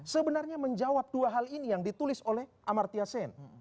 sebenarnya menjawab dua hal ini yang ditulis oleh amartya sen